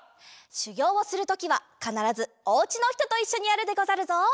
しゅぎょうをするときはかならずおうちのひとといっしょにやるでござるぞ。